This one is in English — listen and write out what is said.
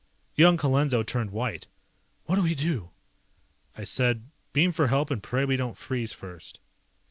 Young Colenso turned white. "What do we do?" I said, "Beam for help and pray we don't freeze first."